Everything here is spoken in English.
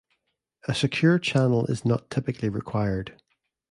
A secure channel is not typically required.